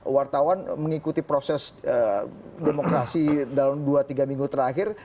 wartawan mengikuti proses demokrasi dalam dua tiga minggu terakhir